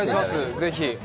ぜひ。